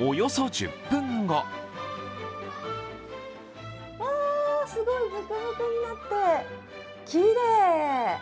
およそ１０分後すごい、ブクブクになってきれい。